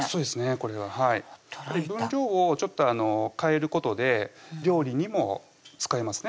これははい分量をちょっと変えることで料理にも使えますね